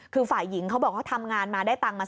คือฝ่ายหญิงเขาบอกเขาทำงานมาได้ตังค์มา